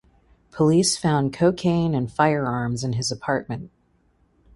Police found cocaine and firearms in his apartment.